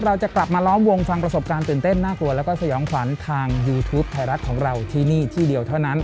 เราจะกลับมาล้อมวงฟังประสบการณ์ตื่นเต้นน่ากลัวแล้วก็สยองขวัญทางยูทูปไทยรัฐของเราที่นี่ที่เดียวเท่านั้น